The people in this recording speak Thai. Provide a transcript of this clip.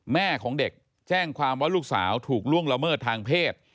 แม่ของเด็กแจ้งความว่าลูกสาวถูกล่วงละเมิดทางเพศ